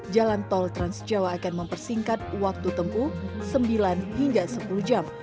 jalan tol transjawa akan mempersingkat waktu tempuh sembilan hingga sepuluh jam